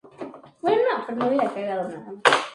Forma parte del Camino de Santiago de la Costa.